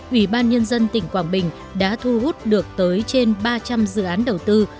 ủy ban nhân dân tỉnh quảng bình đã thu hút được tới trên ba trăm linh dự án đầu tư